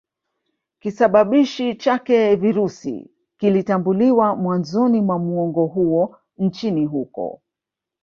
kisababishi chake Virusi kilitambuliwa mwanzoni mwa muongo huo nchini huko